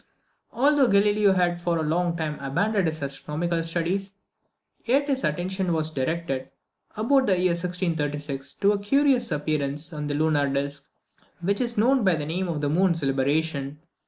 Although Galileo had for a long time abandoned his astronomical studies, yet his attention was directed, about the year 1636, to a curious appearance in the lunar disc, which is known by the name of the moon's libration.